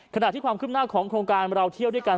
ขณะที่ความคืบหน้าของโครงการเราเที่ยวด้วยกัน